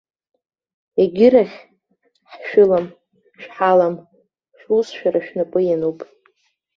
Егьырахь, ҳшәылам, шәҳалам, шәус шәара шәнапы иануп!